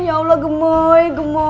ya allah gemoy